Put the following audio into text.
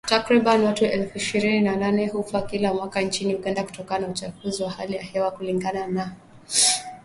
Takriban watu elfu ishirini na nane hufa kila mwaka nchini Uganda kutokana na uchafuzi wa hali ya hewa kulingana na kundi la Mazoezi Bora ya Ufugaji.